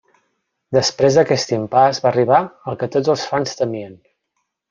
Després d'aquest impàs, va arribar el que tots els fans temien.